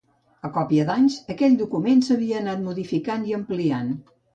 A còpia d’anys, aquell document s’havia anat modificant i ampliant.